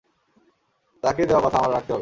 তাকে দেওয়া কথা আমার রাখতে হবে।